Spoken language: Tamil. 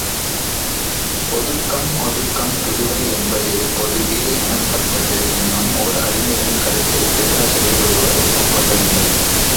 பொதுக்கம் ஒதுக்கம் புதுவை என்பதே பொதுகே எனப்பட்டது என்னும் ஓர் அறிஞரின் கருத்தைப் பேராசிரியர் ஒருவர் ஒப்புக் கொள்ளவில்லை.